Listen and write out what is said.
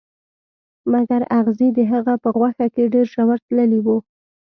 مګر اغزي د هغه په غوښه کې ډیر ژور تللي وو